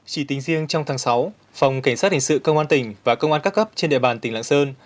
chỉ tính riêng trong tháng sáu phòng cảnh sát hình sự công an tỉnh và công an các cấp trên địa bàn tỉnh lạng sơn